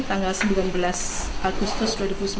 tanggal sembilan belas agustus dua ribu sembilan belas